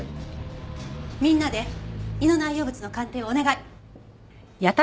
みんなで胃の内容物の鑑定をお願い。